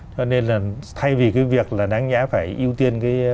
cho nên thay vì việc đáng nhẽ phải ưu tiên